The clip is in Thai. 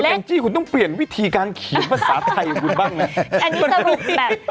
กุ๊กแจงจี้คุณต้องเปลี่ยนวิธีการเขียนภาษาไทยอย่างนี้